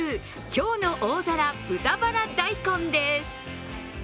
きょうの大皿豚バラ大根です。